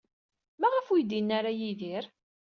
Maɣef ur iyi-d-yenni ara Yidir?